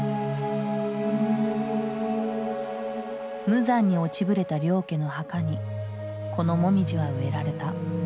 無残に落ちぶれた領家の墓にこのモミジは植えられた。